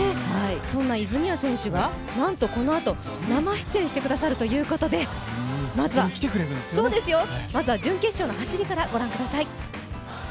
そんな泉谷選手がなんとこのあと生出演してくださるということでまずは準決勝の走りからご覧ください。